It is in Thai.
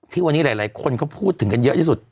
ที่วันนี้หลายคนเขาพูดถึงกันเยอะที่สุด